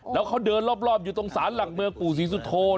แล้วเขาเดินรอบอยู่ตรงศาลหลักเมืองปู่ศรีสุโธ